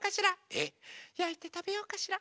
えっ⁉やいてたべようかしら？